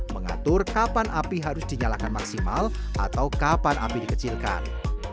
mengatur kapan api harus dinyalakan maksimal atau kapan api dikecilkan